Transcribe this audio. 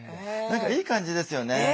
何かいい感じですよね。